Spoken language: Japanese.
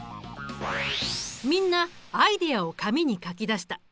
みんなアイデアを紙に書き出した。